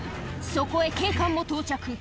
そこへ警官も到着。